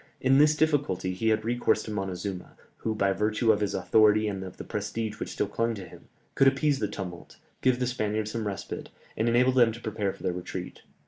In this difficulty he had recourse to Montezuma, who, by virtue of his authority and of the prestige which still clung to him, could appease the tumult, give the Spaniards some respite, and enable them to prepare for their retreat.